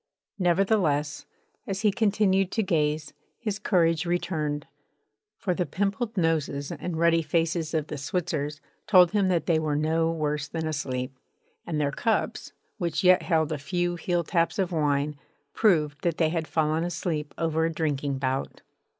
Nevertheless, as he continued to gaze, his courage returned; for the pimpled noses and ruddy faces of the Switzers told him that they were no worse than asleep; and their cups, which yet held a few heeltaps of wine, proved that they had fallen asleep over a drinking bout.